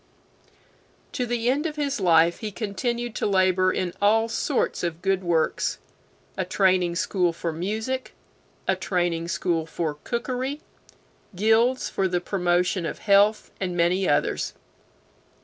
B. To the end of his life he continued to labor in all sorts of good works a Training School for Music, a Training School for Cookery, guilds for the promotion of health, and many others.